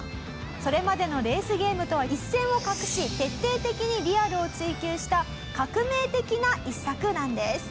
それまでのレースゲームとは一線を画し徹底的にリアルを追求した革命的な一作なんです。